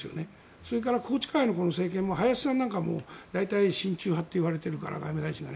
それから宏池会の政権も林さんなんかも大体、親中派といわれているから外務大臣が。